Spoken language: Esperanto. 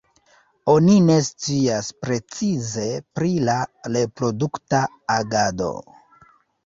Oni ne scias precize pri la reprodukta agado.